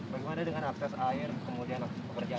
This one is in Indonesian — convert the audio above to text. bagaimana dengan akses air kemudian pekerjaan